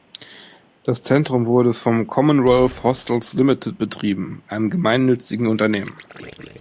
Das Zentrum wurde von Commonwealth Hostels Limited betrieben, einem gemeinnützigen Unternehmen.